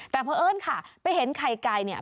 แต่เพราะเอิ้นค่ะไปเห็นไข่ไก่เนี่ย